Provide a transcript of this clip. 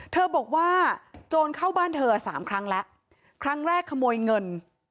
เธอบอกว่าโจรเข้าบ้านเธอสามครั้งแล้วครั้งแรกขโมยเงิน